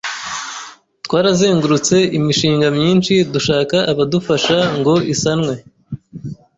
twarazengurutse imishinga myinshi dushaka abadufasha ngo isanwe